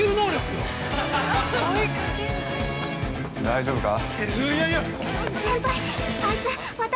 ◆大丈夫か？